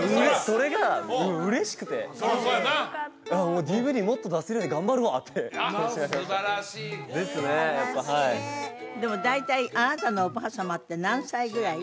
それが嬉しくて「ＤＶＤもっと出せるように頑張るわ」ってあっすばらしいいい話でも大体あなたのおばあさまって何歳ぐらい？